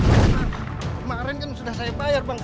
karena kemarin kan sudah saya bayar bang